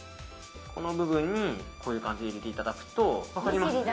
この部分に、こういう感じで入れていただくと分かります？